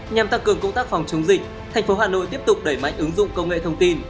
nhằm tăng cường công tác phòng chống dịch tp hcm tiếp tục đẩy mạnh ứng dụng công nghệ thông tin